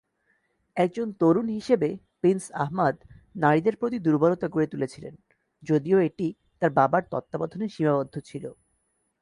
একজন তরুণ হিসেবে প্রিন্স আহমাদ নারীদের প্রতি দুর্বলতা গড়ে তুলেছিলেন, যদিও এটি তার বাবার তত্ত্বাবধানে সীমাবদ্ধ ছিল।